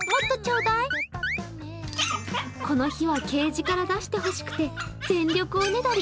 この日はゲージから出してほしくて全力でおねだり。